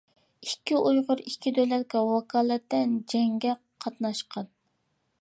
ئىككى ئۇيغۇر ئىككى دۆلەتكە ۋاكالىتەن جەڭگە قاتناشقان.